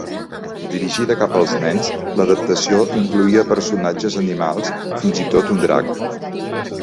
Dirigida cap als nens, l'adaptació incloïa personatges animals, fins i tot un drac.